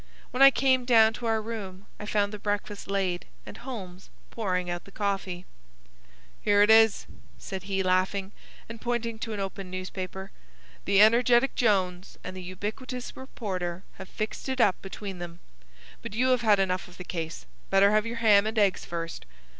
When I came down to our room I found the breakfast laid and Homes pouring out the coffee. "Here it is," said he, laughing, and pointing to an open newspaper. "The energetic Jones and the ubiquitous reporter have fixed it up between them. But you have had enough of the case. Better have your ham and eggs first."